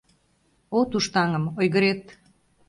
От уж таҥым — ойгырет.